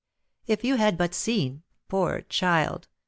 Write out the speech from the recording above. If you had but seen, poor child!